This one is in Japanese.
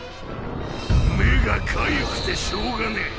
目が痒くてしょうがねぇ。